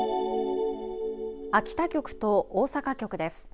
秋田局と大阪局です。